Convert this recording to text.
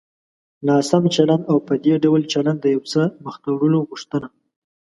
ناسم چلند او په دې ډول چلند د يو څه مخته وړلو غوښتنه.